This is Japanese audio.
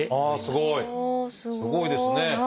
すごいですね。